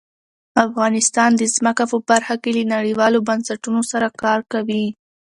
افغانستان د ځمکه په برخه کې له نړیوالو بنسټونو سره کار کوي.